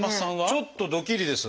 ちょっとドキリです。